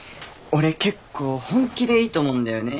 俺結構本気でいいと思うんだよね。